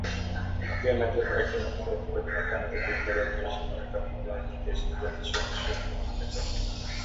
Uganda na Jamhuri ya Kidemokrasi ya Kongo Jumatano ziliongeza operesheni ya pamoja ya kijeshi iliyoanzishwa mwishoni mwa mwaka jana.